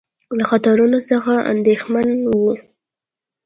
له خطرونو څخه اندېښمن وو.